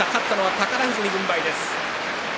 宝富士に軍配です。